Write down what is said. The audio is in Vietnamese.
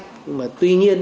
nhưng mà tuy nhiên